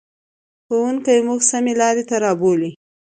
ښوونکی موږ سمې لارې ته رابولي.